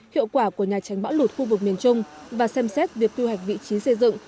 hiệu quả của nhà tránh bão lụt khu vực miền trung và xem xét việc quy hoạch vị trí xây dựng